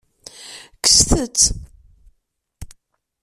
Kkset-t.